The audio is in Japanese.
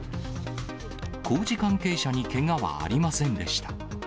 工事関係者にけがはありませんでした。